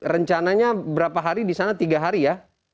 rencananya berapa hari di sana tiga hari ya